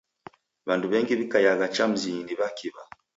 W'andu w'engi w'ikaiagha cha mzinyi ni w'akiw'a.